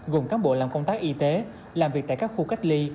gồm cán bộ làm công tác y tế làm việc tại các khu cách ly